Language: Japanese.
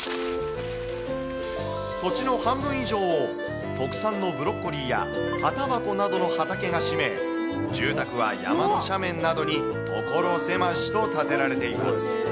土地の半分以上を特産のブロッコリーや葉たばこなどの畑が占め、住宅は山の斜面などに所狭しと建てられています。